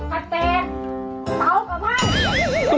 ห้าตายโค๊กกระแตกเตาข้าว